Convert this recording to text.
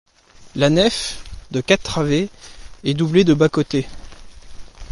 La nef, de quatre travées, est doublée de bas-côtés.